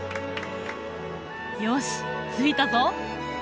よし着いたぞ。